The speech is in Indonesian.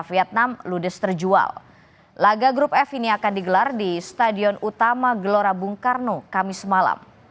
bersama dengan pemain kualitas di liga lokal